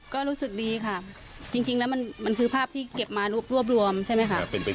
ก็รู้สึกดีค่ะจริงแล้วมันคือภาพที่เก็บมารวบรวมใช่ไหมคะ